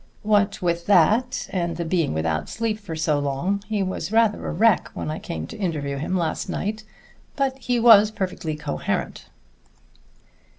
What with that and the being without sleep for so long, he was rather a wreck when I came to interview him last night; but he was perfectly coherent."